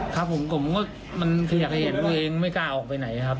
ครับผมก็มันเหยียกเหยียดตัวเองไม่กล้าออกไปไหนครับ